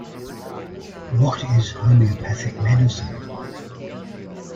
What is homeopathic medicine?